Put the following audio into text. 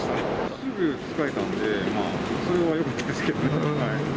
すぐ使えたので、それはよかったですけどね。